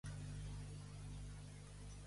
D'on formen part els seus alcaldes?